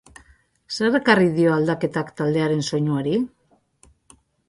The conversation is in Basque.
Zer ekarri dio aldaketak taldearen soinuari?